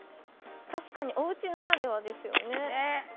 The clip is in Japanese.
確かにおうちならではですよね。ね。